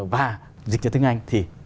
và dịch cho tiếng anh